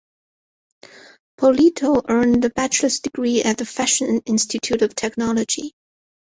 Polito earned a bachelor's degree at the Fashion Institute of Technology.